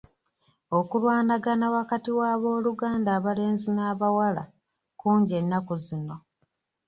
Okulwanagana wakati w'abooluganda abalenzi n'abawala kungi ennaku zino.